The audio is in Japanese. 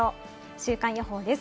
週間予報です。